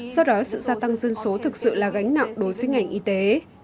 do đó sự gia tăng dân số thực sự là gánh nặng đối với ngành y tế